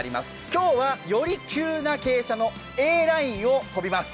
今日は、より急な傾斜のＡラインを飛びます。